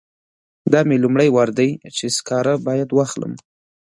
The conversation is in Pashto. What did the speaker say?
دا مې لومړی وار دی چې سکاره باید واخلم.